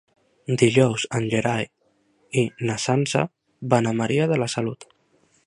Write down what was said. Dijous en Gerai i na Sança van a Maria de la Salut.